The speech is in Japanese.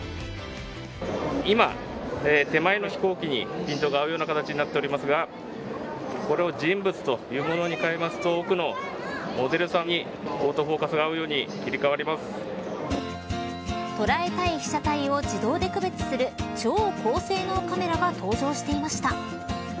今、手前の飛行機にピントが合うような形になっておりますがこれを人物というに変えますと奥のモデルさんにオートフォーカスが合うように捉えたい被写体を自動で区別する超高性能カメラが登場していました。